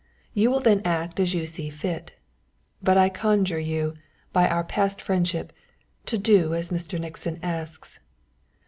You will then act as you see fit. But I conjure you, by our past friendship, to do as Mr. Nixon asks.